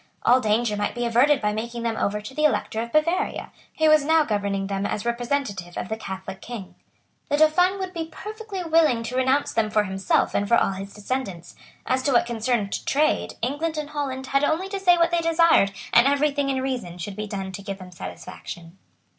All danger might be averted by making them over to the Elector of Bavaria, who was now governing them as representative of the Catholic King. The Dauphin would be perfectly willing to renounce them for himself and for all his descendants. As to what concerned trade, England and Holland had only to say what they desired, and every thing in reason should be done to give them satisfaction.